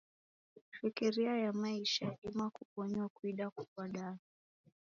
Shekeria ya maisha yadima kubonywa kuidia kuw'adana.